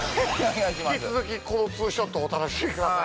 引き続きこのツーショットをお楽しみください